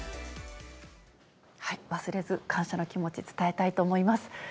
忘れず、感謝の気持ち、伝えたいと思います。